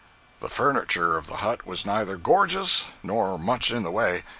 042b.jpg (42K) The furniture of the hut was neither gorgeous nor much in the way.